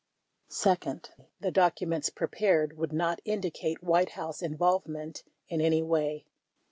Second, the documents prepared would not indicate White House involvement in any way.